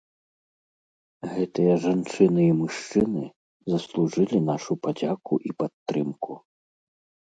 Гэтыя жанчыны і мужчыны заслужылі нашу падзяку і падтрымку.